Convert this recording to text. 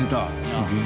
すげえ。